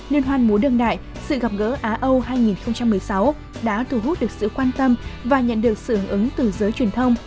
liên hoan múa đương đại sự gặp gỡ á âu hai nghìn một mươi sáu đã thu hút được sự quan tâm và nhận được sự ứng ứng từ giới truyền thông